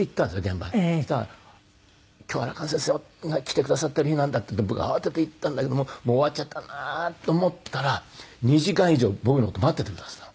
そしたら今日アラカン先生が来てくださっている日なんだって僕慌てて行ったんだけどももう終わっちゃったんだなと思ったら２時間以上僕の事待っててくださった。